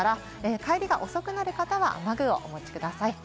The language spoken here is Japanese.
帰りが遅くなる方は雨具をお持ちください。